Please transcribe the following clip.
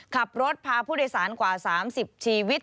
ขับรถพาผู้โดยสารกว่า๓๐ชีวิต